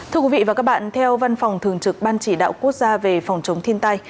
thưa quý vị và các bạn theo văn phòng thường trực ban chỉ đạo quốc gia về phòng chống thiên tai